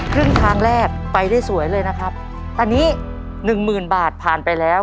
ครึ่งทางแรกไปได้สวยเลยนะครับตอนนี้หนึ่งหมื่นบาทผ่านไปแล้ว